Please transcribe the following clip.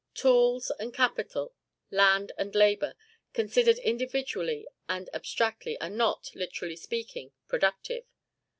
Tools and capital, land and labor, considered individually and abstractly, are not, literally speaking, productive.